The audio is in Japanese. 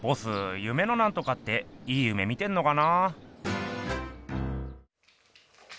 夢のなんとかっていい夢見てんのかな？